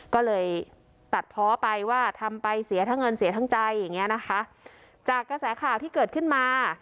ก็เลยตัดเพาะไปว่าทำไปเสียทั้งเงินเสียทั้งใจอย่างเงี้ยนะคะจากกระแสข่าวที่เกิดขึ้นมา